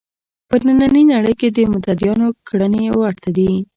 په نننۍ نړۍ کې د متدینانو کړنې ورته دي.